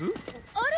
あれ！